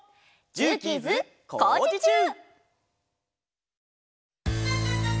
「ジューキーズ」「こうじちゅう！」